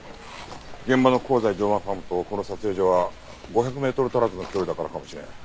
現場の香西乗馬ファームとこの撮影所は５００メートル足らずの距離だからかもしれん。